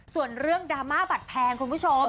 ส่วนเรื่องดราม่าบัตรแพงคุณผู้ชม